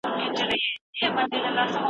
لویان هم په خپل ژوند کې لټون کوي.